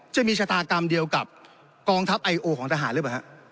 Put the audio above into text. จะมีชะตากรรมเดียวกับกองทัพไอโอของทหารหรือเปล่าฮะ